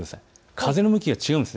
風の向きが違うんです。